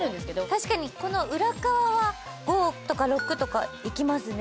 確かに裏側は５とか６とか行きますね。